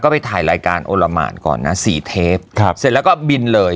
ไปถ่ายรายการโอละหมานก่อนนะสี่เทปครับเสร็จแล้วก็บินเลย